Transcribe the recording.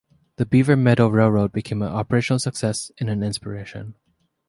The Beaver Meadow Railroad became an operational success, and an inspiration.